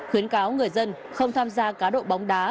khuyến cáo người dân không tham gia cá độ bóng đá